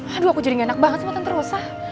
aduh aku jadi nggak enak banget sama tante rosa